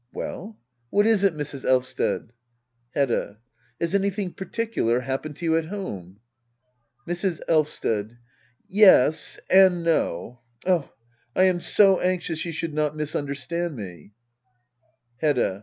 Well? What is it, Mrs. Elvsted ? Hedda. Has anything particular happened to you at home? Mrs. Elvsted. Yes — and no. Oh — I am so anxious you should not misunderstand me Hedda.